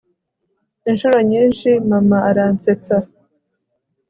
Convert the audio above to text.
inshuro nyinshi mama aransetsa